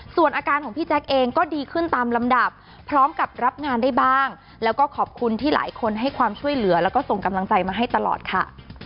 ส่วนอาการของพี่แจ๊กเองก็ดีขึ้นตามลำดับพร้อมกับรับงานได้บ้างแล้วก็ขอบคุณที่หลายคนให้ความช่วยเหลือแล้วก็ส่งกำลังใจมาให้ตลอดค่ะ